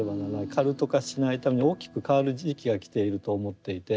カルト化しないために大きく変わる時期が来ていると思っていて。